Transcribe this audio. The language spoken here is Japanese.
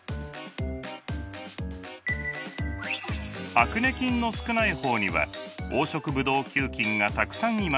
アクネ菌の少ない方には黄色ブドウ球菌がたくさんいました。